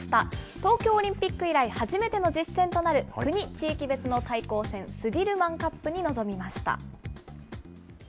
東京オリンピック以来初めての実戦となる国・地域別の対抗戦、スディルマンカップに臨みました。